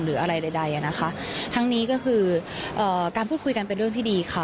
หรืออะไรใดใดอ่ะนะคะทั้งนี้ก็คือเอ่อการพูดคุยกันเป็นเรื่องที่ดีค่ะ